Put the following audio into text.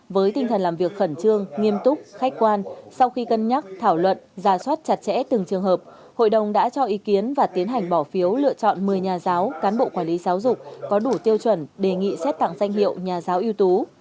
với tinh thần làm việc khẩn trương nghiêm túc khách quan sau khi cân nhắc thảo luận giả soát chặt chẽ từng trường hợp hội đồng đã cho ý kiến và tiến hành bỏ phiếu lựa chọn một mươi nhà giáo cán bộ quản lý giáo dục có đủ tiêu chuẩn đề nghị xét tặng danh hiệu nhà giáo ưu tú